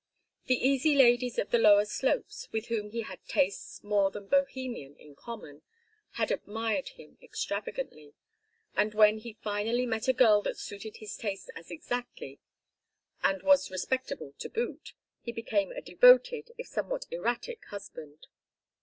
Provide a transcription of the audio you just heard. The easy ladies of the lower slopes, with whom he had tastes more than Bohemian in common, had admired him extravagantly, and when he finally met a girl that suited his tastes as exactly, and was respectable to boot, he became a devoted if somewhat erratic husband.